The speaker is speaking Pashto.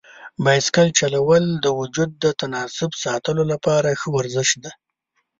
بایسکل چلول د وجود د تناسب ساتلو لپاره ښه ورزش دی.